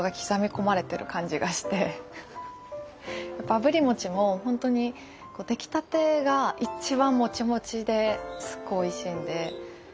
あぶり餅もほんとにできたてが一番もちもちですごいおいしいんで。